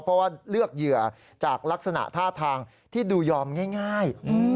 เพราะว่าเลือกเหยื่อจากลักษณะท่าทางที่ดูยอมง่าย